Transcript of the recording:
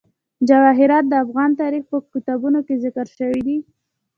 جواهرات د افغان تاریخ په کتابونو کې ذکر شوی دي.